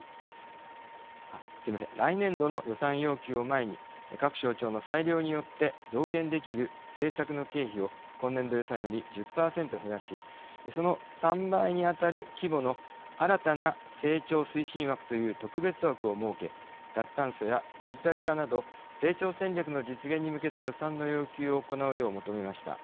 来年度の予算要求を前に各省庁の裁量によって増減できる政策の経費を今年度予算より１０％減らしその３倍にあたる規模の新たな成長推進枠という特別枠を設け脱炭素やデジタル化など成長戦略の実現に向けた予算の要求を行うよう求めました。